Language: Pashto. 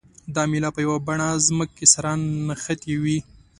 دا میله په یوه بڼه ځمکې سره نښتې وي.